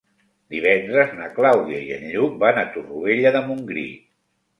Divendres na Clàudia i en Lluc van a Torroella de Montgrí.